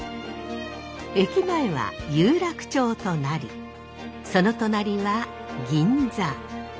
駅前は有楽町となりその隣は銀座。